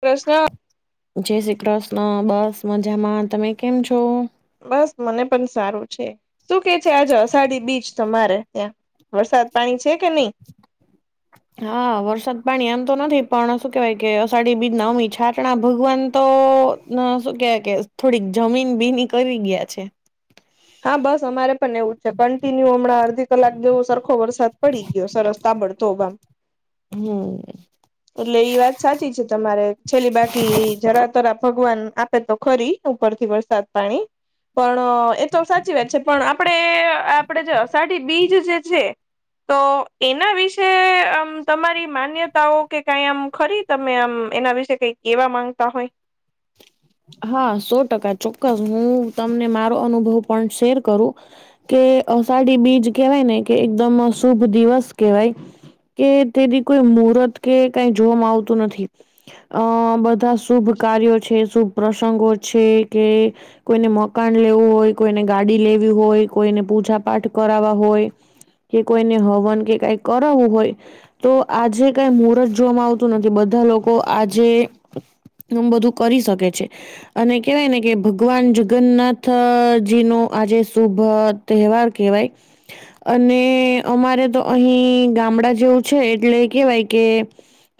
પ્રશ્ન જય શ્રી કૃષ્ણ બસ મજામાં તમે કેમ છો? બસ મને પણ સારું છે, શું કે છે આજે અષાઢી બીચ તમારે ત્યાં. વરસાદ પાણી છે કે નહી. હા વરસાદ પાણી એમ તો નથી પણ શું કેહેવાય કે અષાઢી બીજ ના અમી છા તણા ભગવાન તો શું કેવાય કે થોડીક જમીન ભીની કરી ગયા છે. હા બસ અમારે પણ એવું છે કન્ટિન્યુ હમણાં અડધી કલાક જેવો સરખો વરસાદ પડી ગયો સરસ તાબડતોબ આમ. હમ્મ. એટલે એ વાત સાચી છે તમારે છેલ્લી બાકી જરા તરા ભગવાન આપે તો ખરી ઉપરથી વરસાદ પાણી પણ તો સાચી વાત છે પણ આપણે આપણેે અષાઢી બીજ જે છે. તો એના વિશે આમ તમારી માન્યતાઓ કે કાઈ આમ ખરી. તમે આમ એના વિશે કઈક કેવા માંગતા હોય હા સો ટકા ચોક્કસ હું તમને મારો અનુભવ પણ શેર કરું. કે અષાઢી બીજ કેવાય ને કે એકદમ શુભ દિવસ કેવાય. કે તેડી કોઈ મુહર્ત કે કઈ જોવામાં આવતું નથી. અ બધા શુભ કાર્યો છે, શુભ પ્રસંગો છે કે કોઈને મકાન લેવું હોય, કોઈને ગાડી લેવી હોય, કોઈને પૂજા પાઠ કરાવવા હોય. કે કોઈને હવન કે કાંઈક કરવું હોય. તો આજે કઈ મુહૂર્ત જોવામાં આવતું નથી બધા લોકો આજે એમ બધું કરી શકે છે. અને કેહેવાય ને કે ભગવાન જગન્નાથજી નો આજે શુભ તહેવાર કેહેવાય અને અમારે તો અહીં ગામડા જેવું છે એટલે કેવાય કે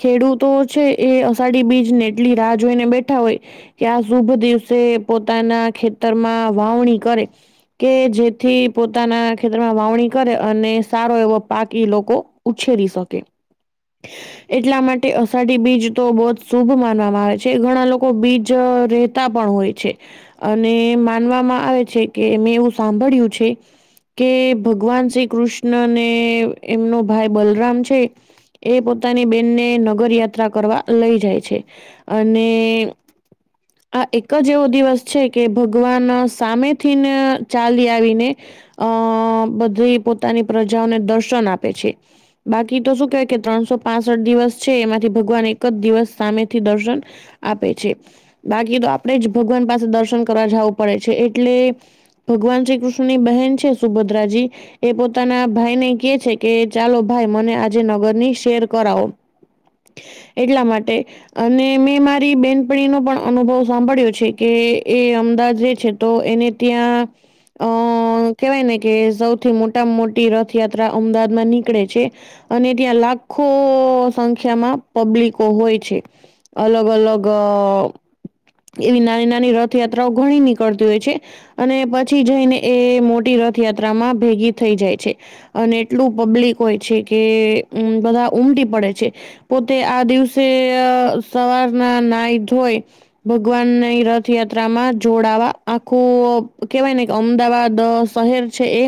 ખેડૂતો છે એ અષાઢી બીજ ને એટલી રાહ જોઈને બેઠા હોય. કે આ શુભ દિવસે પોતાના ખેતરમાં વાવણી કરે. કે જેથી પોતાના ખેતરમાં વાવણી કરે અને સારો એવો પાક ઈ લોકો ઉછેરી શકે. એટલા માટે અષાઢી બીજ તો બહું જ શુભ માનવામાં આવે છે ઘણા લોકો બી જ રહેતા પણ હોય છે. અને માનવામાં આવે છે કે મેં એવું સાંભળ્યું છે. કે ભગવાન શ્રીકૃષ્ણને એમનો ભાઈ બલરામ છે. એ પોતાની બેનને નગર યાત્રા કરવા લઈ જાય છે અને આ એક જ એવો દિવસ છે કે ભગવાન સામેથી ને ચાલી આવીને. અ બધી પોતાની પ્રજાઓને દર્શન આપે છે. બાકી તો શું કેહેવાય કે ત્રણસો પાસઠ દિવસ છે એમાંથી ભગવાન એક જ દિવસ સામેથી દર્શન આપે છે. બાકી તો આપણે જ ભગવાન પાસે દર્શન કરવા જવું પડે છે એટલે ભગવાન શ્રીકૃષ્ણની બહેન છે સુભદ્રાજી એ પોતાના ભાઈ ને કહે છે કે ચાલો ભાઈ મને આજે નગરની શેર કરાવો. એટલા માટે અને મેં મારી બેન નો પણ અનુભવ સાંભળ્યો છેકે એ અમદાવાદ રહે છે તો એને ત્યાં અ કેવાય ને કે સૌથી મોટામાં મોટી રથયાત્રા અમદાવાદમાં નીકળે છે. અને ત્યાં લાખો સંખ્યામાં પબ્લિકો હોય છે અલગ અલગ અ એવી નાની નાની રથયાત્રાઓ ઘણી નીકળતી હોય છે. અને પછી જઈને એ મોટી રથયાત્રામાં ભેગી થઈ જાય છે. અને એટલું પબ્લિક હોય છેકે બધા ઉમટી પડે છે. પોતે આ દિવસે સવારના નાય ધોય ભગવાનની રથયાત્રામાં જોડાવા આખું કેવાયને કે અમદાવાદ શહેર છે એ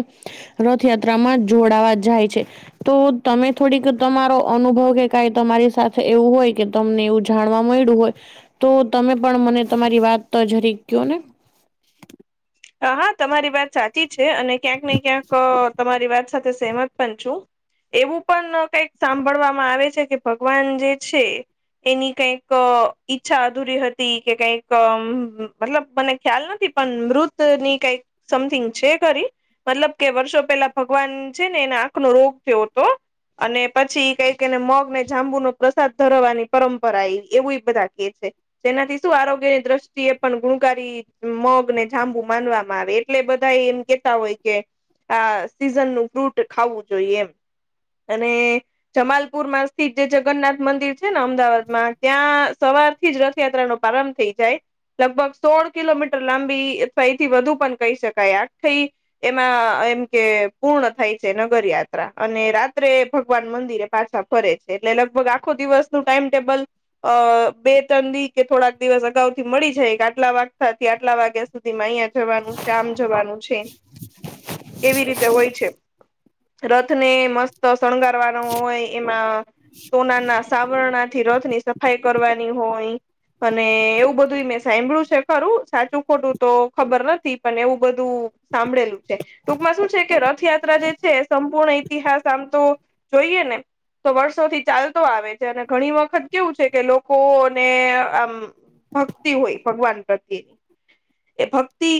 રથયાત્રામાં જોડાવા જાય છે. તો તમે થોડીક તમારો અનુભવ કે કઈ તમારી સાથે એવું હોય કે તમને એવું જાણવા મળ્યું હોય. તો તમે પણ મને તમારી વાત જરીક ક્યોને. હા હા તમારી વાત સાચી છે અને ક્યાંક ને ક્યાંક તમારી વાત સાથે સહેમત પણ છું. એવું પણ કઈક સાંભળવામાં આવે છે કે ભગવાન જે છે. એની કઈક ઈચ્છા અધૂરી હતી કે કઈક મતલબ મને ખ્યાલ નથી. પણ મૃતની કઈક સમથિંગ છે ખરી મતલબ કે વર્ષો પેલા ભગવાન છે ને એને આંખનો રોગ થયો હતો. અને પછી કઈક એને મગ ને જાંબુનો પ્રસાદ ધરાવાની પરંપરા એ એવું બધા કે છે. તેનાથી શું આરોગ્યની દ્રષ્ટિએ પણ ગુણકારી મગ ને જાંબુ માનવામાં આવે એટલે બધા એમ કેતા હોય કે આ સીઝનનું ફ્રૂટ ખાવું જોઈએ એમ અને જમાલપુરમાં સ્થિત જે જગન્નાથ મંદિર છેને અમદાવાદમાં ત્યાં સવાર થી જ રથયાત્રાનો પ્રારંભ થઈ જાય લગભગ સોળ કિલોમીટર લાંબી સઈ થી વધુ પણ કહી શકાય આજ થી. એમાં એમ કે પૂર્ણ થાય છે નગરયાત્રા અને રાત્રે ભગવાન મંદિરે પાછા ફરે છે એટલે લગભગ આખો દિવસનો ટાઈમ ટેબલ અ બે ત્રણ દી કે થોડાક દિવસ અગાઉથી મળી જાય કે આટલા વાગથી આટલા વાગે સુધીમાં અહિયાં જવાનું છે આમ જવાનું છે એવી રીતે હોય છે. રથને મસ્ત શણગારવાનો હોય એમાં સોનાના સાવરણાથી રથની સફઈ કરવાની હોય અને એવું બધું મેં સાંભળ્યું છે ખરું સાચું ખોટું તો ખબર નથી પણ એવું બધું સાંભળેલું છે. ટૂંકમાં શું છે કે રથયાત્રા જે છે સંપૂર્ણ ઈતિહાસ આમ તો જોઈએ ને. તો વર્ષોથી ચાલતો આવે છે અને ઘણી વખત કેવું છે કે લોકોને આમ ભક્તિ હોય ભગવાન પ્રત્યેની. એ ભક્તિ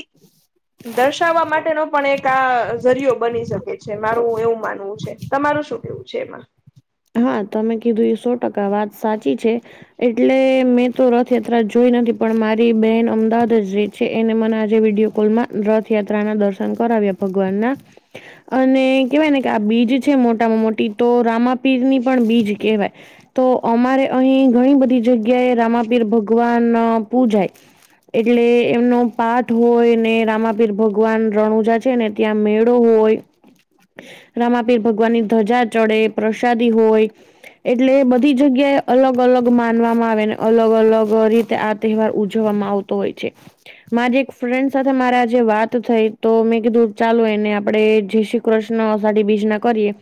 દર્શાવવા માટેનો પણ એક આ ઝરિયો બની શકે છે મારું એવું માનવું છે. તમારું શું કેવું છે એમાં. હા, તમે કીધું એ સો ટકા વાત સાચી છે. એટલે મેં તો રથયાત્રા જોઈ નથી પણ મારી બેન અમદાવાદ જ રે છે એને મને આજે વિડીયો કોલમાં રથયાત્રાના દર્શન કરાવ્યા ભગવાન ના. અને કેહેવાય ને કે આ બીજ છે મોટામાં મોટી તો રામાપીરની પણ બીજ કહેવાય. તો અમારે અહીં ઘણી બધી જગ્યાએ રામાપીર ભગવાન પૂજાય. એટલે એમનો પાઠ હોય ને રામાપીર ભગવાન રણુજા છે ને ત્યાં મેળો હોય. રામાપીર ભગવાનની ધજા ચડે, પ્રસાદી હોય. એટલે બધી જગ્યાએ અલગ-અલગ માનવામાં આવે ને અલગ-અલગ રીતે આ તહેવાર ઉજવવામાં આવ તો હોય છે. મારી એક ફ્રેન્ડ સાથે મારે આજે વાત થઈ તો મેં કીધું ચાલુ એને આપડે જઈ શું કૃષ્ણ અષાઢી બીજના કરીએ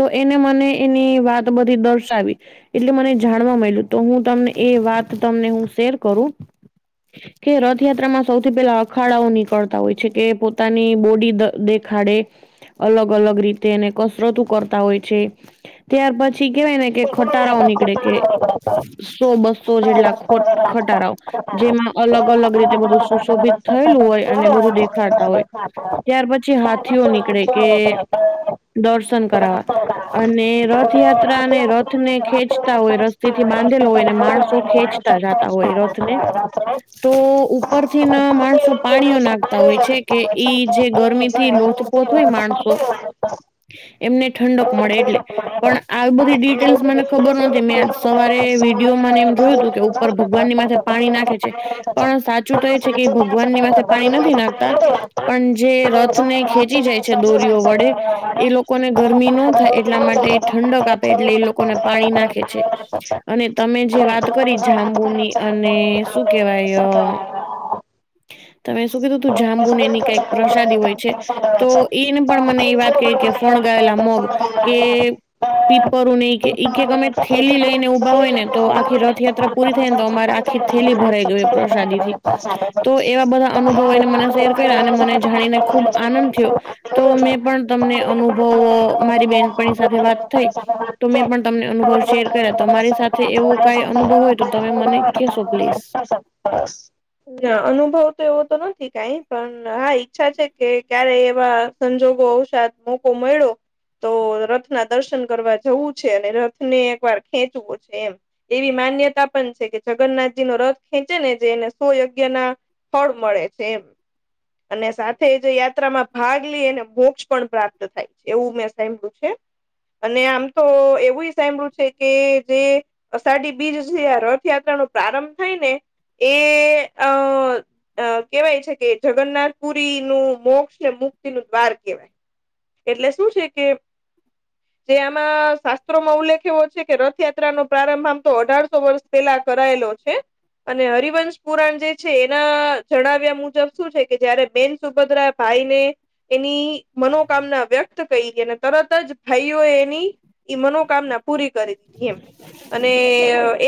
તો એને મને એની વાત બધી દર્શાવી. એટલે મને જાણવા મળ્યું તો હું તમને એ વાત તમને હું શેર કરું. કે રથયાત્રામાં સૌથી પહેલા અખાડાઓ નીકળતા હોય છે કે પોતાની બોડી દ-દેખાડે. અલગ-અલગ રીતે એને કસરતું કરતા હોય છે ત્યારબાદ છી કેવાય ને કે ખટારાઓ નીકળે કે સો બસો જેટલા ખોટ-ખટારાઓ જેમાં અલગ અલગ રીતે બધું સુશોભિત થયેલું હોય અને બધું દેખાડતા હોય. ત્યાર પછી હાથીઓ નીકળે કે દર્શન કરાવવા. અને રથયાત્રાને રથને ખેંચતા હોય રસ્તીથી બાંધેલો હોયને માણસો ખેંચ તા જાતા હોય રથને તો ઉપરથી ન માણસો પાણીઓ નાખતા પાણી હોય છે કે વાળતા હોય છે ઈ કે જે એ જે ગરમીથી ઘરમાંથી લોથપોથ હોય મોટર માણસો સાયકલ વાળતો એમને ઠંડક મળે એટલે થોડીક પણ માહિતી આ પણ બધી ડિટેલ્સ બધી મને ખબર મને નથી મેં ખબર આજ નહિ કે સવારે મેં સવારે વિડીયોમાં ને એમ જોયું હતું વહેલી કે મને એમ ઉપર થયું ભગવાનની માથે. ભગવાનને પાણી માથે નાખે છે પાણી નાખ્યું છે. પણ સાચું તો પણ એ છે કે સાચું તો આ છે કે ભગવાનની માથે પાણી ભગવાનને નથી માથે નાખતા પાણી નથી નાખતા. પણ જે પણ જે રથને રાતના ખેંચી જાય છે જાય દોરીઓ છે વડે દોરીઓ વડે એ લોકોને એ ગરમી નો લોકોના થાય એટલા ઘરમાં ન માટે જાય એટલા ઠંડક માટે આપે એટલે એ ઠંડક આપે લોકોને છે એ પાણી લોકોને નાખે છે પાણી નાખે છે. અને તમે જે અને વાત તમને કરી જે વાત કરી જાંબુની અને જાંબુની શું અને કેહેવાય શું કહેવાય તમે શું કીધું તું તમારી જાંબુન સાથે એવો એની કોઈ કઈક અનુભવ પ્રસાદી હોય છે. તો ઈન પણ મને ઈ વાત કે ફણગાવેલા મોગ કે પીપરું નહી તો કે ઈ તમે કે મને અમે થેલી લઈને ઊભા કહી હોય ને તો આખી રથયાત્રા પૂરી થાયન તો અમારે આખી થેલી ભરાઈ ગય હોય પ્રસાદીથી તો એવા બધા અનુભવો એને મને શેર કર્યા અને મને જાણીને ખુબ આનંદ થયો. તો મેં પણ તમને અનુભવો મારી બેનપણી સાથે વાત થઈ તો મેં પણ તમને અનુભવ શેર કર્યા તમારી સાથે એવો કાઈ અનુભવ હોય તો તમે મને કેશો પ્લીઝ. [inaudible] અનુભવ તો એવો તો નથી કાઈ પણ હા ઈચ્છા છે કે ક્યારે એવા સંજોગો અવશાદ મોકો મળ્યો તો રથના દર્શન કરવા જવું છે અને રથને એક વાર ખેંચવું છે એમ. એવી માન્યતા પણ છે કે જગન્નાથજીનો રથ ખેંચે ને જે એને સો યગ્યના ફળ મળે છે એમ. અને સાથે જે યાત્રામાં ભાગ લી મોક્ષ પણ પ્રાપ્ત થાય એવું મેં સાંભળ્યું છે. અને આમ તો એવું સાંભળ્યું છે કે જે અષાઢી બીજ જે આ રથયાત્રા નો પ્રારંભ થાય ને એ અ કેહેવાય છે કે જગન્નાથપુરી નું મોક્ષ ને મુક્તિ નું દ્વાર કેવાય. એટલે શું છે કે [inaudible] જે આમાં શાસ્ત્રોમાં ઉલ્લેખ એવો છે કે રથયાત્રાનો પ્રારંભ આમ તો અઢારસો વર્ષ પેલા કરાયેલો છે અને હરિવંશ પુરાણ જે છે એના જણાવ્યા મુજબ શું છે કે જયારે બેન સુભદ્રા ભાઈ ને એની મનોકામના વ્યક્ત કરી અને તરત જ ભાઈઓ એ એની ઈ મનોકામના પૂરી કરી તી એમ અને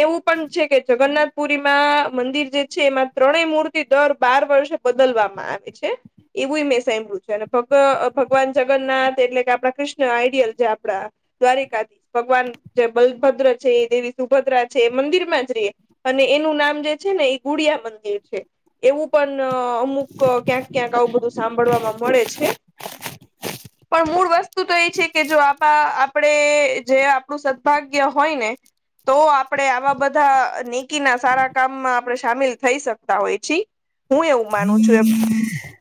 એવું પણ છે કે જગન્નાથપુરીમાં મંદિર જે છે એમાં ત્રણેય મૂર્તિ દર બાર વર્ષે બદલવામાં આવે છે. એવુંય મેં સાંભળ્યું છે અને ભગવાન જગન્નાથ એટલે કે આપણા કૃષ્ણ આઈડિયલ જે આપડા દ્વારકા ભગવાન જે બલભદ્ર છે એ દેવી સુભદ્રા છે મંદિર માં જ રહે અને એનું નામ જે છે ને એ ગુડિયા મંદિર છે એવું પણ અમુક ક્યાંક ક્યાંક આવું બધું સાંભળવામાં મળે છે. [inaudible] પણ મૂળ વસ્તુ તો એ છે કે જો આપ આપણેે જે આપણું સદભાગ્ય હોય ને, તો આપડે આવા બધા નેકી ના સારા કામમાં સામેલ થઈ શકતા હોય છી. હું એવું માનું છું એમ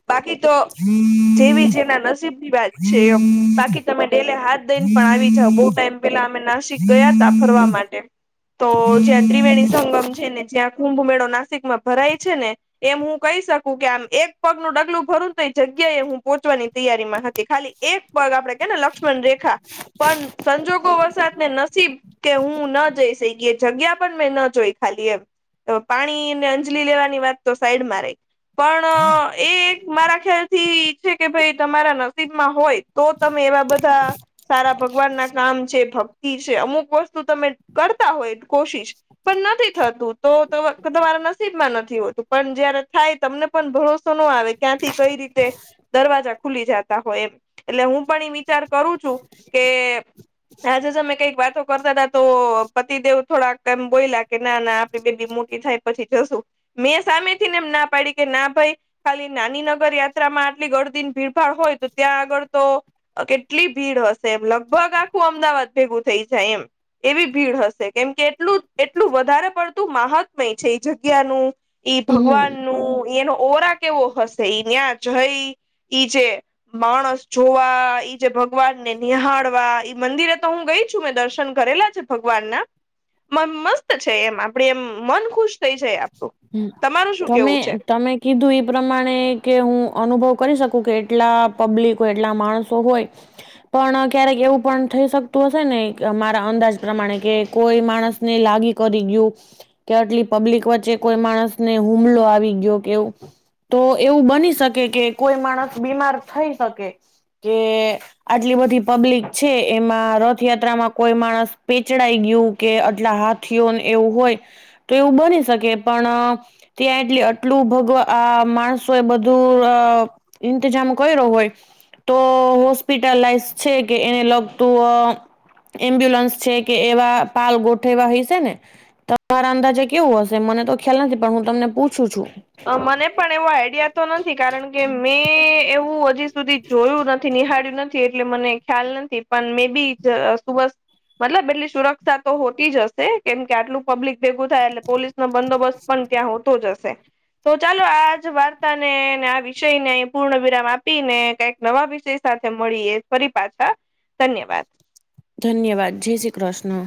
બાકી તો [inaudible] જેવી જેના નસીબની વાત છે, એમ બાકી તમે ડેલે હાથ દઈને પણ આવી જાવ બહુ ટાઈમ પેલા અમે નાસિક ગયા તા ફરવા માટે તો જ્યાં ત્રિવેણી છે ને જ્યાં કુંભમેળો નાસિકમા ભરાય છે ને એમ હું કહી શકું કે આમ એક પગનું ડગલું ભરું ને તો એ જગ્યાએ એ હું પોહોંચવાની તૈયારી માં હતી ખાલી એક પગ આપડે કેને લક્ષ્મણ રેખા પણ સંજોગો વસાતને નસીબ કે હું ન જઈ શકી એ જગ્યા પણ મેં ન જોઈ ખાલી એમ તો પાણીને અંજલી લેવાની વાત તો સાઈડમાં રહી પણ એ એક મારા ખ્યાલ થી ઈ છે કે ભાઈ તમારા નસીબમાં હોય તો તમે એવા બધા સારા ભગવાન ના કામ છે, ભક્તિ છે અમુક વસ્તુ તમે કરતા હોય કોશિશ પણ નથી થતું તો તમારા નસીબ માં નથી હોતું. પણ જયારે થાય તમને પણ ભરોસો ન આવે ક્યાંથી કઈ રીતે દરવાજા ખુલી જતા હોય એમ એટલે હું પણ એ વિચાર કરું છું કે આજે જો તમે કઈક વાતો કરતા હતાા તો પતિદેવ થોડાક એમ બોયલા કે ના ના બેબી મોટી થાય પછી જોશું મેં સામે થી ને એમ ના પાડી કે ના ભાઈ ખાલી નાની નગર યાત્રામાં આટલી ગડદીને ભીડભાડ હોય તો ત્યાં આગળ તો કેટલી ભીડ હશે એમ લગભગ આખું અમદાવાદ ભેગું થઈ જાય એમ. એવી ભીડ હશે કેમ કે એટલું એટલું વધારે પડતું મહાત્મય છે એ જગ્યાનું ઈ ભગવાન હમ નો એનો ઓરા કેવો હશે ઈ ન્યાં જય ઈ જે માણસ જોવા ઈ જે ભગવાનને નિહાળવા ઈ મંદિરે તો હું ગઈ છું મેં દર્શન કરેલા ભગવાન ના મસ્ત છે એમ આપડે એમ મન ખુશ થઈ જાય આપણું હમ્મ, તમારું શું તમે કેવું છે તમે કીધું એ પ્રમાણે કે હું અનુભવ કરી શકું કે એટલા પબ્લિક હોય એટલા માણસો હોય પણ ક્યારેક એવું પણ થઈ શકતું હશે ને મારા અંદાજ પ્રમાણે કે કોઈ માણસને લાગી કરી ગયું કે આટલી પબ્લિક વચ્ચે કોઈ માણસ ને હુમલો આવી ગયો કે એવું તો એવું બની શકે કે કોઈ માણસ બીમાર થઈ શકે કે, આટલી બધી પબ્લિક છે એમાં રથયાત્રામાં કોઈ માણસ પેચડાઈ ગયું, કે આટલા હાથીઓ એવું હોય તો એવું બની શકે પણ, ત્યાં એટલી આટલું ભગવા આ માણસો એ બધું અ ઇંતજામ કર્યો હોય. તો હોસ્પિટલાઈઝ છે, કે એને લગતું અ એમ્બ્યુલન્સ છે, કે એવા પાલ ગોઠવા હીસે ને, તમારા અંદાજે કેવું હશે મને તો ખ્યાલ નથી પણ હું તમને પૂછું છું. મને પણ એવો આઈડિયા તો નથી કારણ કે મેં એવું હજી, સુધી જોયું નથી નિહાળ્યું નથી એટલે મને ખ્યાલ નથી પણ મે બી સુબસ, મતલબ એટલી સુરક્ષા તો હોતી જ હશે. કેમ કે આટલું પબ્લિક ભેગું થાય એટલે પોલીસ નો બંદોબસ્ત પણ ત્યાં હોતો જ હશે. તો ચાલો આજ વાર્તા ને આ વિષયને અહી પૂર્ણ ને કઈક. નવા વિષય સાથે મળીએ ફરી પાછા ધન્યવાદ. ધન્યવાદ જય શ્રી કૃષ્ણ.